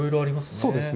そうですね。